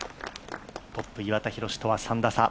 トップ・岩田寛とは３打差。